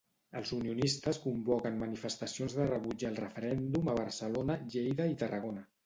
Els unionistes convoquen manifestacions de rebuig al referèndum a Barcelona, Lleida i Tarragona.